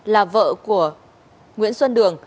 là vợ của nguyễn xuân đường